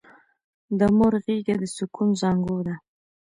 د مور غېږه د سکون زانګو ده!